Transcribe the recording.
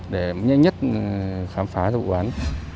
để nhanh nhất khám phá vụ án